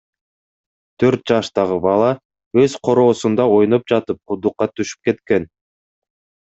Төрт жаштагы бала өз короосунда ойноп жатып кудукка түшүп кеткен.